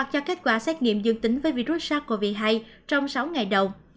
và xét nghiệm dương tính với virus sars cov hai trong sáu ngày đầu